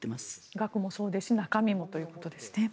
額もそうですし中身もということですね。